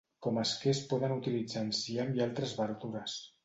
Com a esquer es poden utilitzar enciam i altres verdures.